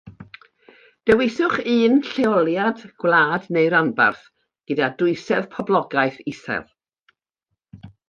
Dewiswch un lleoliad, gwlad neu ranbarth, gyda dwysedd poblogaeth isel